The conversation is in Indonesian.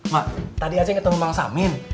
ma tadi aceh ketemu mang samin